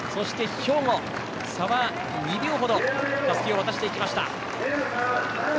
兵庫、差は２秒程でたすきを渡しました。